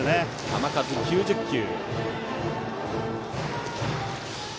球数９０球。